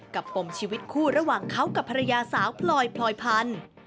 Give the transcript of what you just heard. ปมชีวิตคู่ระหว่างเขากับภรรยาสาวพลอยพลอยพันธุ์